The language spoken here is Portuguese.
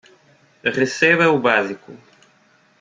Receba o básico